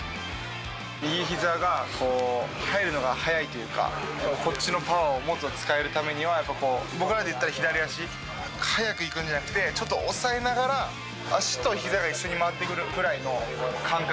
右ひざが入るのが早いというか、こっちのパワーをもっと使えるためには、やっぱりこう、僕らでいったら左足、早くいくんじゃなくて、ちょっと抑えながら、足とひざが一緒に回ってくるくらいの感覚。